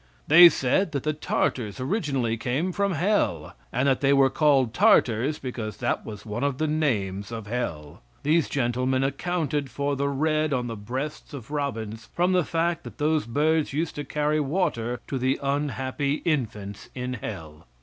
They said that the Tartars originally came from hell, and that they were called Tartars because that was one of the names of hell. These gentlemen accounted for the red on the breasts of robins from the fact that those birds used to carry water to the unhappy infants in hell.